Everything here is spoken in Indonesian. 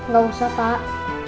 gak usah pak